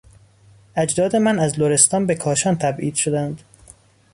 اجداد من از لرستان به کاشان تبعید شدند.